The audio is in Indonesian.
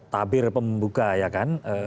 tabir pembuka ya kan